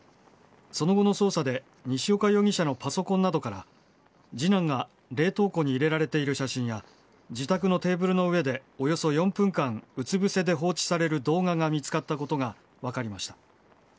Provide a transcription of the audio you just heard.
その後の捜査で、西岡容疑者のパソコンなどから、次男が冷凍庫に入れられている写真や、自宅のテーブルの上でおよそ４分間、うつ伏せで放置される動画が見つかったことが分かりました。